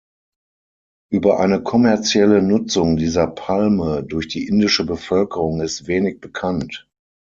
Über eine kommerzielle Nutzung dieser Palme durch die indische Bevölkerung ist wenig bekannt.